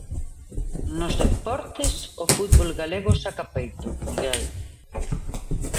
Nos deportes, o fútbol galego saca peito, Miguel.